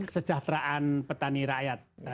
sejahteraan petani rakyat